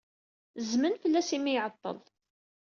Zzmen fell-as imi ay iɛeḍḍel.